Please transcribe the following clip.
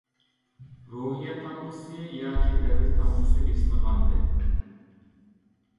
روھىيەت تامغىسى ياكى دەۋر تامغىسى بېسىلغانىدى.